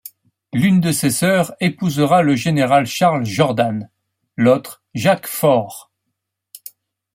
L'une de ses sœurs épousera le général Charles Jordan, l'autre Jacques Faure.